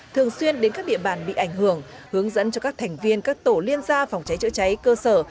thường xuyên đến các địa bàn bị ảnh hưởng hướng dẫn cho các thành viên các tổ liên gia phòng cháy chữa cháy cơ sở